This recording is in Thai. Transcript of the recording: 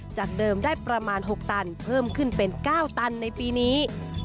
จากเดิมได้ประมาณ๖ตันเพิ่มขึ้นเป็น๙ตันในปีนี้